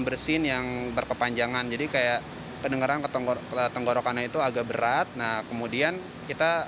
bersin yang berkepanjangan jadi kayak pendengaran ketenggorokan itu agak berat nah kemudian kita